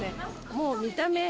もう見た目。